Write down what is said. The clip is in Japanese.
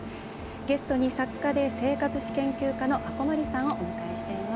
ゲストに作家で生活史研究家の阿古真理さんをお迎えしています。